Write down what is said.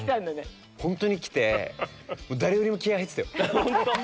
ホントに来て誰よりも気合入ってたよ。